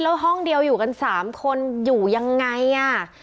แล้วห้องเดียวอยู่กัน๓คนอยู่ยังไงอ่ะ